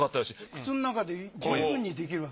靴の中で十分にできる。